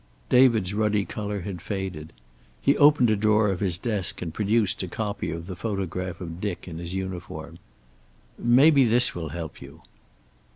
David's ruddy color had faded. He opened a drawer of his desk and produced a copy of the photograph of Dick in his uniform. "Maybe this will help you."